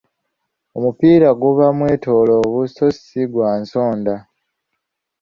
Omupiira guba mwetoloovu so si gwa nsonda.